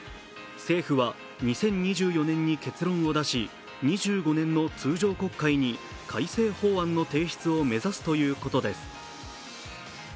政府は２０２４年に結論を出し、２５年の通常国会に改正法案の提出を目指すということです。